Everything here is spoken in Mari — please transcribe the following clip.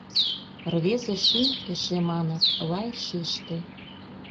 Рвезе шӱм, эше маныт, лай шыште.